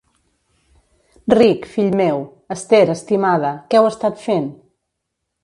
Rick, fill meu, Esther, estimada, què heu estat fent?